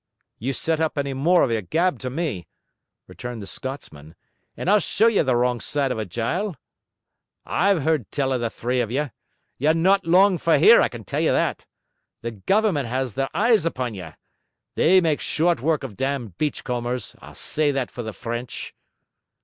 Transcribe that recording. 'You set up any more of your gab to me,' returned the Scotsman, 'and I'll show ye the wrong side of a jyle. I've heard tell of the three of ye. Ye're not long for here, I can tell ye that. The Government has their eyes upon ye. They make short work of damned beachcombers, I'll say that for the French.'